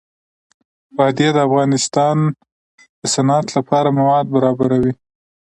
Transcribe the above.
وادي د افغانستان د صنعت لپاره مواد برابروي.